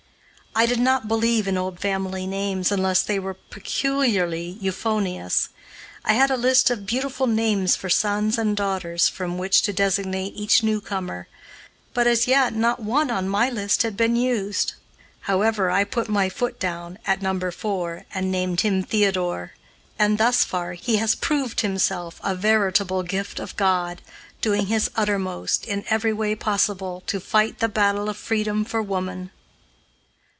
I did not believe in old family names unless they were peculiarly euphonious. I had a list of beautiful names for sons and daughters, from which to designate each newcomer; but, as yet, not one on my list had been used. However, I put my foot down, at No. 4, and named him Theodore, and, thus far, he has proved himself a veritable "gift of God," doing his uttermost, in every way possible, to fight the battle of freedom for woman.